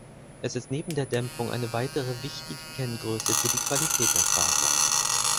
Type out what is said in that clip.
Es ist neben der Dämpfung eine weitere wichtige Kenngröße für die Qualität der Faser.